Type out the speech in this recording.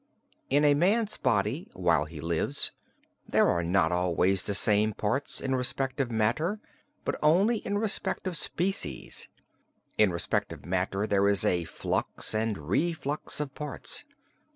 In a man's body, while he lives, there are not always the same parts in respect of matter but only in respect of species. In respect of matter there is a flux and reflux of parts.